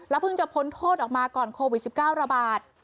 แล้วเพิ่งจะพ้นโทษออกมาก่อนโควิดสิบเก้าระบาด